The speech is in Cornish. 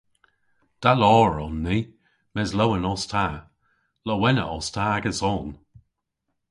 Da lowr on ni mes lowen os ta. Lowenna os ta ageson!